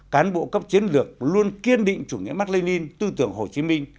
cán bộ cấp chiến lược luôn kiên định chủ nghĩa mạc lê ninh tư tưởng hồ chí minh